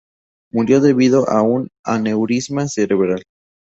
Murió debido a un aneurisma cerebral.